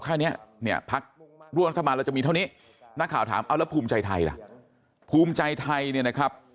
ค่ะเนี่ยเนี่ยพัดว่าเราจะมีเท่านี้นักข่าวถามเอาแล้วพูมใจไทยนะพูมใจไทยนะ